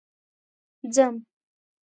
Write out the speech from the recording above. ځم